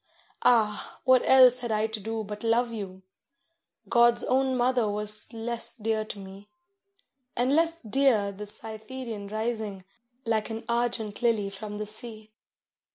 Ah! what else had I to do but love you? God's own mother was less dear to me, And less dear the Cytheræan rising like an argent lily from the sea.